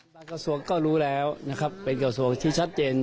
บางกระทรวงก็รู้แล้วเป็นกระทรวงที่ชัดเจน